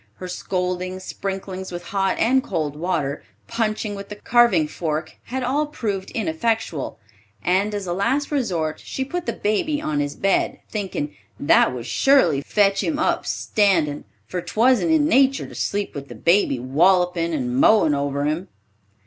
Her scoldings, sprinklings with hot and cold water, punching with the carving fork, had all proved ineffectual, and as a last resort, she put the baby on his bed, thinking "that would surely fetch him up standin', for 'twasn't in natur to sleep with the baby wollopin' and mowin' over him."